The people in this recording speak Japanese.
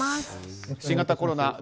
新型コロナ、